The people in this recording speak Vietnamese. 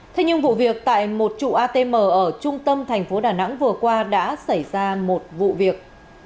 thế nhưng vụ việc tại một trụ atm ở trung tâm thành phố đà nẵng vừa qua đã xảy ra một vụ việc